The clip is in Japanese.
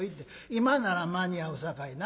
今なら間に合うさかいな。